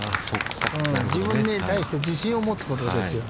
自分に対して、自信を持つことですよ。